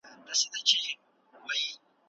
کوټه په ظاهره هماغه وه خو باطن یې بیخي بدل شوی و.